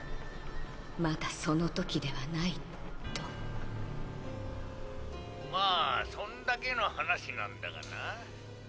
「まだその時ではない」とまあそんだけの話なんだがな。